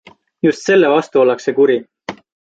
Just selle vastu ollakse kuri.